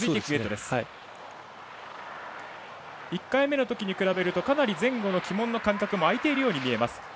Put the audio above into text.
１回目のときに比べるとかなり前後の旗門の間隔も空いているように見えます。